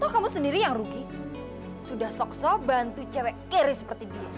oh kamu sendiri yang rugi sudah sok sok bantu cewek kere seperti dia